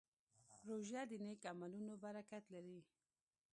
روژه د نیک عملونو برکت لري.